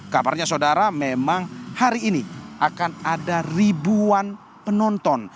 kabarnya saudara memang hari ini akan ada ribuan penonton